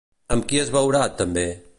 Amb qui es veurà, també?